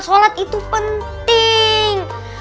sholat itu penting